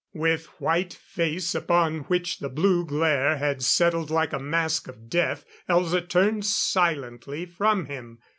With white face upon which the blue glare had settled like a mask of death, Elza turned silently from him.